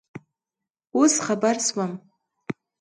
اوس خبر شوم